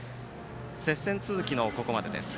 接戦続きのここまでです。